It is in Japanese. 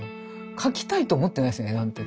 描きたいと思ってないです絵なんて。